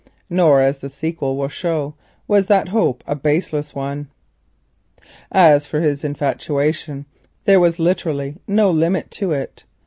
Nor, as the sequel will show, was that hope a baseless one. As for his infatuation there was literally no limit to it.